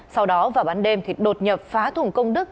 sau đó vào ban đêm thì đột nhập phá thủng công đức